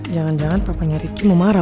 jangan jangan papanya rikki mau marah